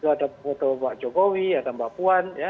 ada foto pak jokowi ada mbak puan ya